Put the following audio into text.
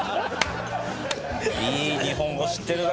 いい日本語知ってるなあ。